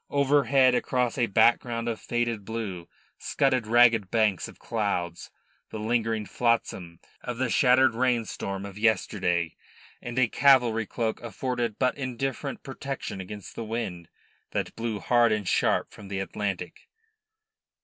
Overhead, across a background of faded blue, scudded ragged banks of clouds, the lingering flotsam of the shattered rainstorm of yesterday: and a cavalry cloak afforded but indifferent protection against the wind that blew hard and sharp from the Atlantic.